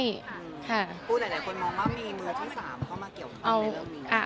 ปูหลายคนมองว่ามีมือที่สามเข้ามาเกี่ยวกับความใดเริ่มมี